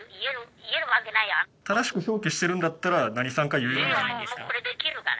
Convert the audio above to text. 正しく表記してるんだったら何産か言えるんじゃないですか？